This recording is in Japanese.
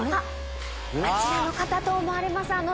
あちらの方と思われます。